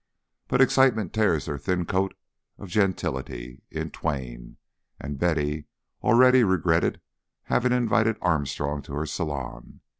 But excitement tears their thin coat of gentility in twain, and Betty already regretted having invited Armstrong to her salon.